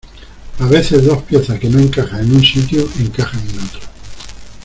a veces dos piezas que no encajan en un sitio, encajan en otro.